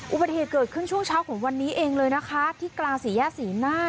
อุบัติเหตุเกิดขึ้นช่วงเช้าของวันนี้เองเลยนะคะที่กลางสี่แยกศรีหน้า